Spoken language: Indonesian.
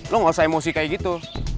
lo gak usah emosi kayak gitu